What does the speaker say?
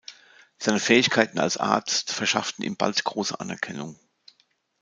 Seine Fähigkeiten als Arzt verschafften ihm bald große Anerkennung.